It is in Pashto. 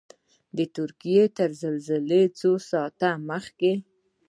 د ترکیې تر زلزلې څو ساعته مخکې.